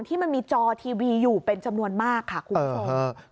ที่มันมีจอทีวีอยู่เป็นจำนวนมากค่ะคุณผู้ชม